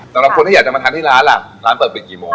สำหรับคนที่อยากจะมาทานที่ร้านล่ะร้านเปิดปิดกี่โมง